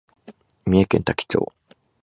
三重県多気町